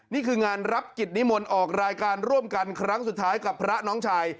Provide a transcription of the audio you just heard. นี่คืองานรับกิจนิมนต์ออกรายการร่วมกันครั้งสุดท้ายกับพระน้องชาย